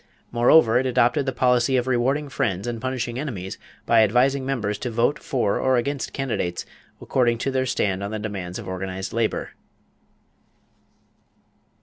Moreover it adopted the policy of "rewarding friends and punishing enemies" by advising members to vote for or against candidates according to their stand on the demands of organized labor.